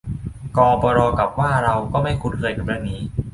กอปรกับว่าเราก็ไม่คุ้นเคยกับเรื่องนี้